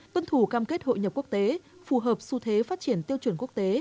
tuân thủ cam kết hội nhập quốc tế phù hợp xu thế phát triển tiêu chuẩn quốc tế